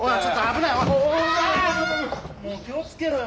もう気を付けろよ。